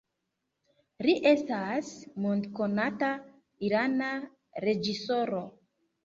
Li estas mondkonata irana reĝisoro.